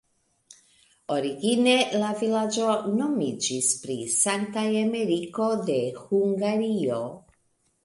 Origine la vilaĝo nomiĝis pri Sankta Emeriko de Hungario.